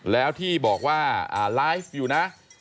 แล้วที่บอกว่าไลฟ์อยู่นะ